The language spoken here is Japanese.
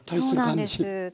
そうなんです。